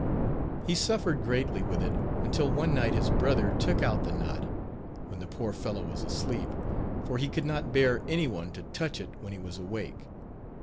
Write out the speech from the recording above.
He suffered greatly with it, until one night his brother took out the knot, when the poor fellow was asleep, for he could not bear any one to touch it when he was awake.